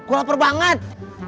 gue lapar banget